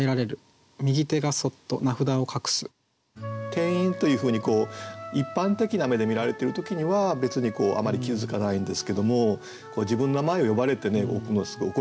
「店員」というふうに一般的な目で見られてる時には別にあまり気付かないんですけども自分の名前を呼ばれてねすごい怒られたらですね